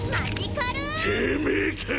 てめぇか！